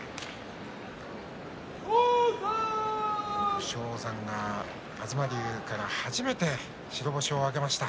武将山が東龍から初めて白星を挙げました。